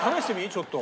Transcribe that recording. ちょっと。